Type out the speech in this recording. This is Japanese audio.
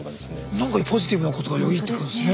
なんかポジティブなことがよぎってくるんですね